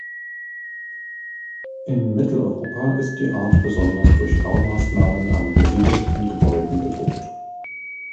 In Mitteleuropa ist die Art besonders durch Baumaßnahmen an besiedelten Gebäuden bedroht.